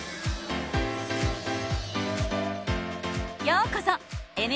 ようこそ！